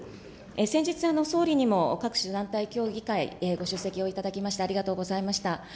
先日、総理にも各種団体協議会、ご出席をいただきまして、ありがとうございました。